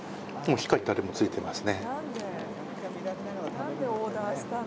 しっかりタレもついてますね。